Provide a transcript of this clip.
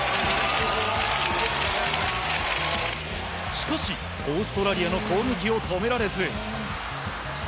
しかし、オーストラリアの攻撃を止められず。